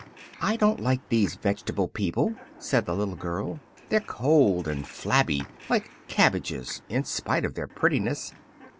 "I don't like these veg'table people," said the little girl. "They're cold and flabby, like cabbages, in spite of their prettiness."